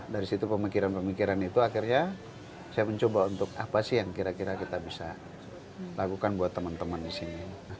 dari situ pemikiran pemikiran itu akhirnya saya mencoba untuk apa sih yang kira kira kita bisa lakukan buat teman teman di sini